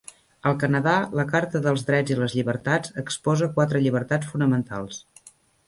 Al Canadà, la Carta dels Drets i les Llibertats exposa quatre llibertats fonamentals.